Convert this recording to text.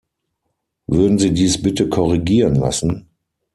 Würden Sie dies bitte korrigieren lassen.